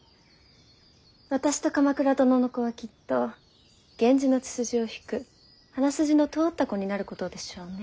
私と鎌倉殿の子はきっと源氏の血筋を引く鼻筋の通った子になることでしょうね。